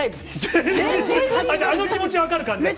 僕、あの気持ち分かる感じですか。